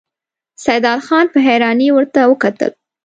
سيدال خان په حيرانۍ ورته وکتل.